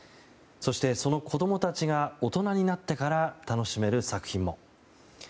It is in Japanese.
そして、その子供たちが大人になってから楽しめる作品も。